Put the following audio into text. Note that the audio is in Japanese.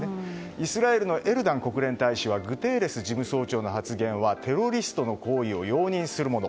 イスラエルのエルダン国連大使はグテーレス事務総長の発言はテロリストの行為を容認するもの。